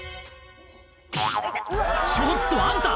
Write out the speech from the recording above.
「ちょっとあんた